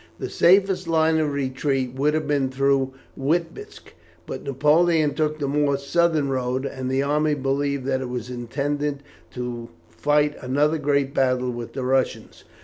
The safest line of retreat would have been through Witebsk, but Napoleon took the more southern road, and the army believed that it was intended to fight another great battle with the Russians.